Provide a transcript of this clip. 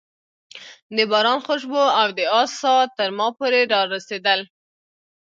د باران خوشبو او د آس ساه تر ما پورې رارسېدل.